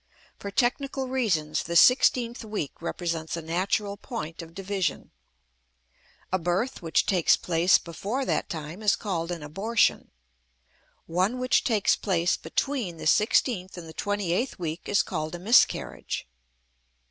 For technical reasons, the sixteenth week represents a natural point of division. A birth which takes place before that time is called an abortion; one which takes place between the sixteenth and the twenty eighth week is called a miscarriage.